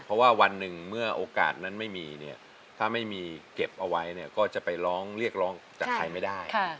เพราะว่าวันหนึ่งเมื่อโอกาสนั้นไม่มีเนี่ยถ้าไม่มีเก็บเอาไว้เนี่ยก็จะไปร้องเรียกร้องจากใครไม่ได้